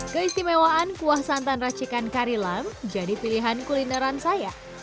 keistimewaan kuah santan racikan karilam jadi pilihan kulineran saya